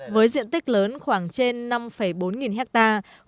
với diện tích lớn khoảng trên năm bốn nghìn hectare